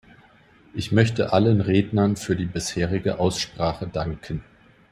Ich möchte allen Rednern für die bisherige Aussprache danken.